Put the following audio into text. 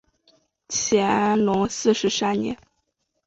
乾隆四十三年。